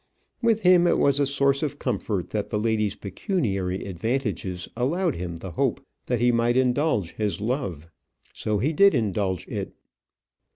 With him it was a source of comfort that the lady's pecuniary advantages allowed him the hope that he might indulge his love. So he did indulge it.